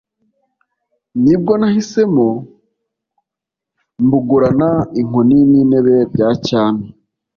Ni bwo nahisemo mbugurana inkoni n’intebe bya cyami,